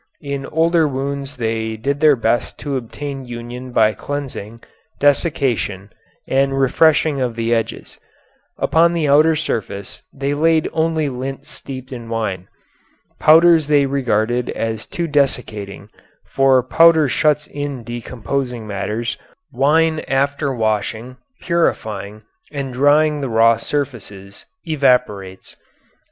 In older wounds they did their best to obtain union by cleansing, desiccation, and refreshing of the edges. Upon the outer surface they laid only lint steeped in wine. Powders they regarded as too desiccating, for powder shuts in decomposing matters; wine after washing, purifying, and drying the raw surfaces evaporates.